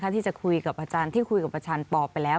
ที่คุยกับอาจารย์ที่พอไปแล้ว